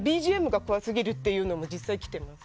ＢＧＭが怖すぎるっていうのも実際に来ています。